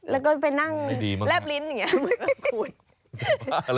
แล้วก็ไปนั่งแร่บลิ้นอย่างนี้ขูด